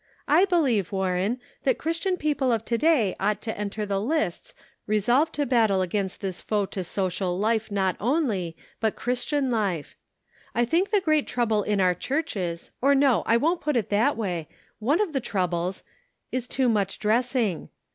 "I believe, Warren that Christian people of today ought to enter the lists resolved to battle against this foe to social 104 The Pocket Measure. life, not only, but Christian life. I think the great trouble in our churches, or no, I won't put it that way, one of the troubles, is too much dressing.